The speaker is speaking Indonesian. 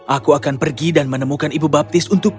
aku akan pergi dan menemukan ibu baptis untukmu